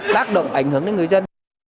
tác động ảnh hưởng đến người dân